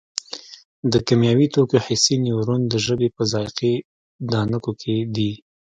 د کیمیاوي توکو حسي نیورون د ژبې په ذایقې دانکو کې دي.